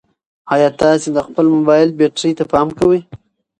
ایا تاسي د خپل موبایل بیټرۍ ته پام کوئ؟